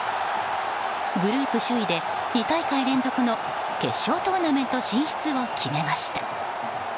グループ首位で２大会連続の決勝トーナメント進出を決めました。